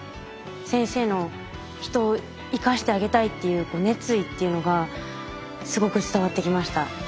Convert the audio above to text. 先生の人を生かしてあげたいっていう熱意っていうのがすごく伝わってきました。